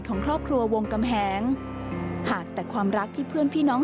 ของครอบครัววงกำแหงหากแต่ความรักที่เพื่อนพี่น้อง